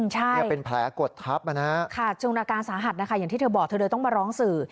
ใช่ค่ะจุดหน้าการสาหัสอย่างที่เธอบอกเธอเลยต้องมาร้องสื่อ